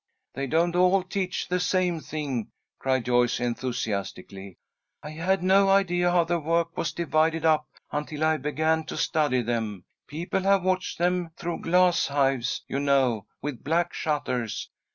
"They don't all teach the same thing," cried Joyce, enthusiastically. "I had no idea how the work was divided up until I began to study them. People have watched them through glass hives, you know, with black shutters.